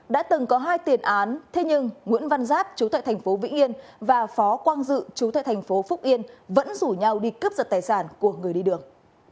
đã từng có hai tiền án thế nhưng nguyễn văn giáp trú tại thành phố vĩ yên và phó quang dự trú tại thành phố phúc yên vẫn rủ nhau đi cấp giật tài sản của người đi đường